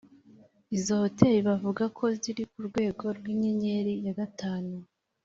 Izo hotel bavuga ko ziri ku rwego rw’inyenyeri ya gatanu